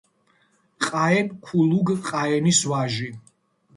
ყაენ ქულუგ-ყაენის ვაჟი.